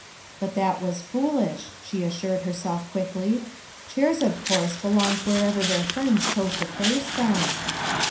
Hut that was foolish, the a^urtsl herself quickly. Chairs, of court p, U longed wherever their friends chore to [ lace them.